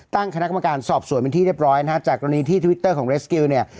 ตั้งคณะกรรมการสอบสวนเป็นที่เรียบร้อยนะฮะจากกรณีที่ทวิตเตอร์ของเรสกิลเนี่ย